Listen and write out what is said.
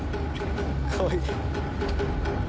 かわいい。